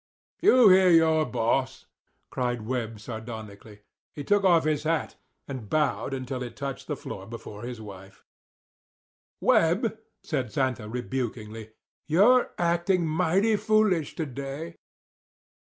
"You hear your boss!" cried Webb sardonically. He took off his hat, and bowed until it touched the floor before his wife. "Webb," said Santa rebukingly, "you're acting mighty foolish to day."